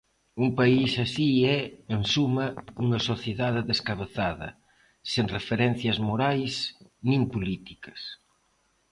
Un país así é, en suma, unha sociedade descabezada, sen referencias morais nin políticas.